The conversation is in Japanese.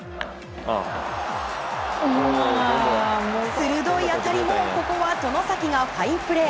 鋭い当たりもここは外崎がファインプレー。